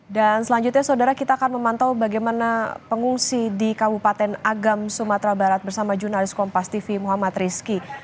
dan selanjutnya saudara kita akan memantau bagaimana pengungsi di kabupaten agam sumatera barat bersama jurnalis kompas tv muhammad rizki